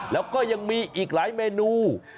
แล้วก็ยังมีอีกหลายเมนู